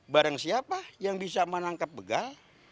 barang siapa yang bisa menangkap begal